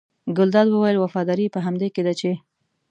ګلداد وویل وفاداري یې په همدې کې ده چې.